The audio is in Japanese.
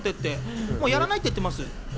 もうやらないって言ってます。